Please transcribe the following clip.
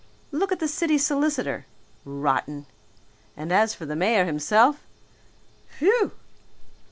Look at the city solicitor, rotten! And as for the mayor himself phew!